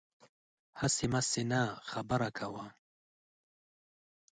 هسې مسې نه، خبره کوه